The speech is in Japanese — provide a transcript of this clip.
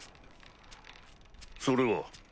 それは？